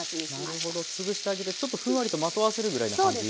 なるほど潰してあげるとちょっとふんわりとまとわせるぐらいな感じになるんですね。